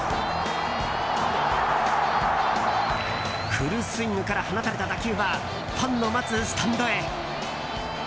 フルスイングから放たれた打球はファンの待つスタンドへ。